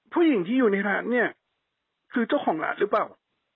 ผู้หญิงที่อยู่ในร้านเนี่ยคือเจ้าของร้านหรือเปล่า